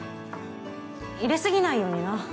入れ過ぎないようにな。